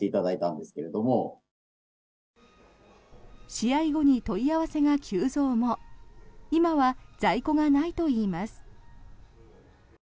試合後に問い合わせが急増も今は在庫がないといいます。